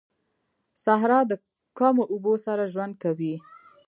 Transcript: صحرا د کمو اوبو سره ژوند کوي